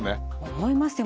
思いますよ。